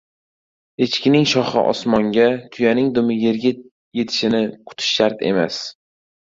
• Echkining shoxi osmonga, tuyaning dumi yerga yetishini kutish shart emas.